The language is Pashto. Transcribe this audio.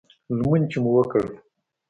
لمونځ چې مو وکړ.